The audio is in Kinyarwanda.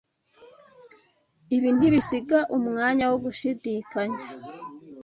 Ibi ntibisiga umwanya wo gushidikanya.